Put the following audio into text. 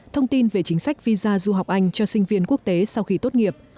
thông tin về chính sách visa du học anh cho sinh viên quốc tế sau khi tốt nghiệp